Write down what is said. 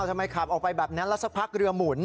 ทำไมขับออกไปแบบนั้นแล้วสักพักเรือหมุน